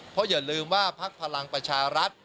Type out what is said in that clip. เพราะอย่าลืมว่าพักพลังประชารัฐ